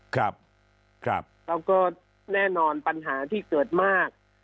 แล้วก็แน่นอนปัญหาที่เกิดมาก